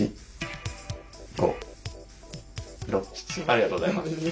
ありがとうございます。